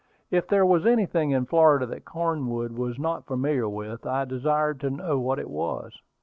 If there was anything in Florida that Cornwood was not familiar with, I desired to know what it was.